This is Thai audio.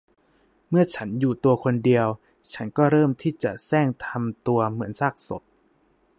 เมื่อฉันอยู่ตัวคนเดียว ฉันก็เริ่มที่จะแสร้งทำตัวเหมือนซากศพ